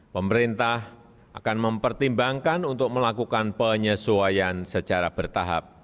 pemerintah akan mempertimbangkan untuk melakukan penyesuaian secara bertahap